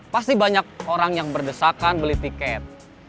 pasti banyak orang yang berdesakan beli tiket